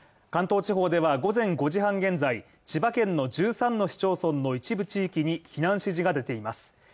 関東地方では午前５時半現在、千葉県の１３の市町村の一部地域に避難指示が出ています。